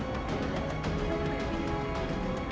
dan dikira sebagai penyidik tersebut